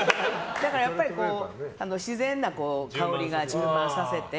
だからやっぱり自然な香りを充満させて。